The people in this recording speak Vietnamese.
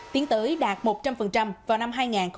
tiến tới đạt một trăm linh vào năm hai nghìn hai mươi